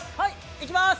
いきます！